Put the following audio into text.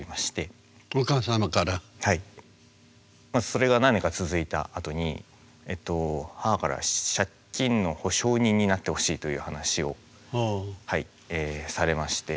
それが何年か続いたあとに母から借金の保証人になってほしいという話をされまして。